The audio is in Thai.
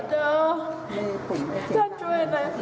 ท่านศาลเจอร์